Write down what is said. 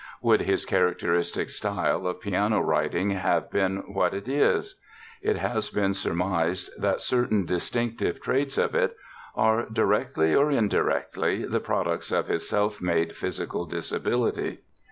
Would his characteristic style of piano writing have been what it is? It has been surmised that certain distinctive traits of it are, directly or indirectly, the products of his self made physical disability.